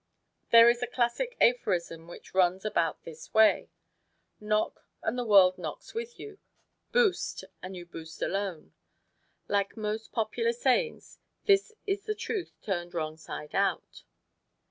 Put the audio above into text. There is a classic aphorism which runs about this way, "Knock and the world knocks with you; boost and you boost alone." Like most popular sayings this is truth turned wrong side out.